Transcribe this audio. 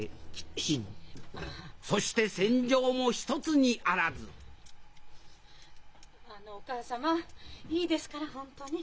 そして戦場も一つにあらずあのお母様いいですから本当に。